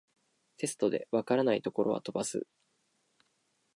テストで解らないところは飛ばす